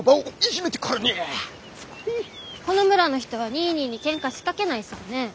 この村の人はニーニーにケンカ仕掛けないさぁねぇ。